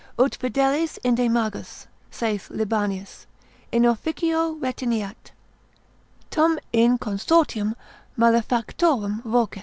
Ut fideles inde magos (saith Libanius) in officio retineat, tum in consortium malefactorum vocet.